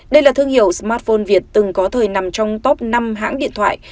đây là thương hiệu smartphone việt từng có thời nằm trong top năm hãng điện thoại